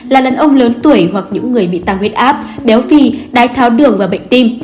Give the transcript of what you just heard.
là đàn ông lớn tuổi hoặc những người bị tăng huyết áp béo phì